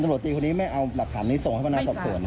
สวัสดีคนนี้ไม่เอาหลักฐานนี้ส่งให้พนักศัพท์ส่วน